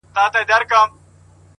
• هغه شپه مي ټوله سندريزه وه،